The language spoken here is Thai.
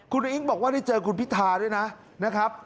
คุณอุ้งบอกว่าได้เจอคุณพิธาด้วยนะครับ